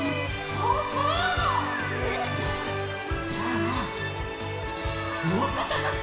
よしじゃあもっとたかく。